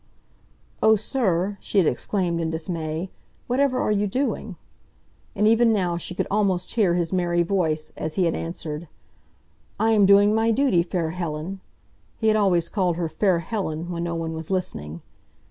"Oh, sir," she had exclaimed in dismay, "whatever are you doing?" And even now she could almost hear his merry voice, as he had answered, "I am doing my duty, fair Helen"—he had always called her "fair Helen" when no one was listening.